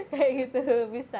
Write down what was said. kayak gitu bisa